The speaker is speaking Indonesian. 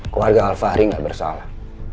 keluarga alvahri gak bersalah